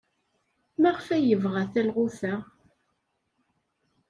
Maɣef ay yebɣa talɣut-a?